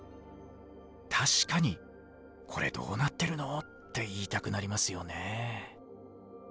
確かに「コレどうなってるの！？」って言いたくなりますよねえ。